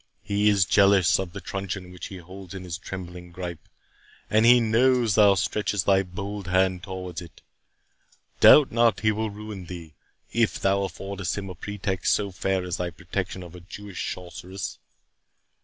He is jealous of the truncheon which he holds in his trembling gripe, and he knows thou stretchest thy bold hand towards it. Doubt not he will ruin thee, if thou affordest him a pretext so fair as thy protection of a Jewish sorceress.